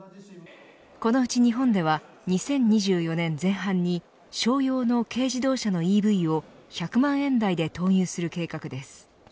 このうち日本では２０２４年前半に商用の軽自動車のＥＶを１００万円台で投入する計画です。